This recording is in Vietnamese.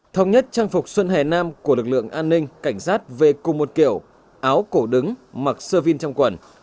thống nhất trang phục xuân hè nam của lực lượng an ninh cảnh sát về cùng một kiểu áo cổ đứng mặc sơ vin trong quần